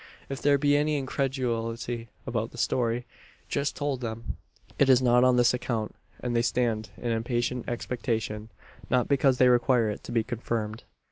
If there be any incredulity about the story just told them, it is not on this account; and they stand in impatient expectation, not because they require it to be confirmed.